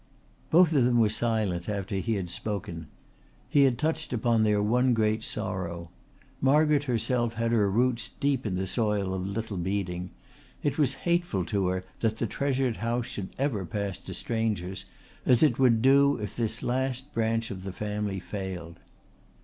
Both of them were silent after he had spoken. He had touched upon their one great sorrow. Margaret herself had her roots deep in the soil of Little Beeding. It was hateful to her that the treasured house should ever pass to strangers, as it would do if this the last branch of the family failed.